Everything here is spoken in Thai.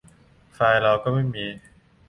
ไฟล์เราก็ไม่มี